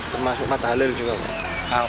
termasuk matt halil juga